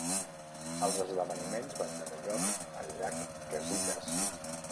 Els esdeveniments van tenir lloc al llac Casitas.